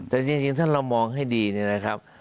แต่จริงถ้าเรามองให้ดีเนี่ยนะครับ